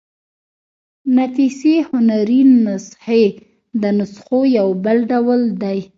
نفیسي هنري نسخې د نسخو يو بل ډول دﺉ.